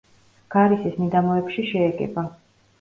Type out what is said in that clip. გარისის მიდამოებში შეეგება.